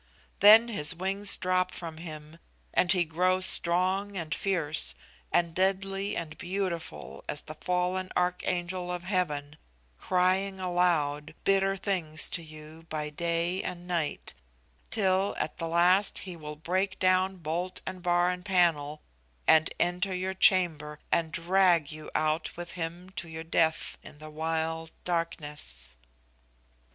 Then his wings drop from him, and he grows strong and fierce, and deadly and beautiful, as the fallen archangel of heaven, crying aloud bitter things to you by day and night; till at the last he will break down bolt and bar and panel, and enter your chamber, and drag you out with him to your death in the wild darkness.